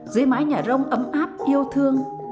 dưới mãi nhà rông ấm áp yêu thương